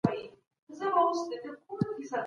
ماشومان د روغتیايي پاملرنې ځانګړی حق لري.